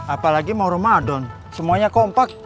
apalagi mau ramadan semuanya kompak